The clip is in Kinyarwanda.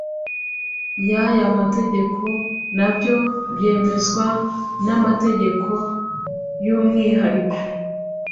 y aya mategeko nabyo byemezwa n amategeko y umwihariko